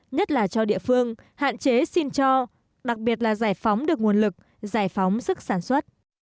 nhất là cho địa phương hạn chế xin cho đặc biệt là giải phóng được nguồn lực giải phóng sức sản xuất